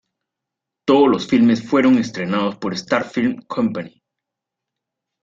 Todos los filmes fueron estrenados por Star Film Company.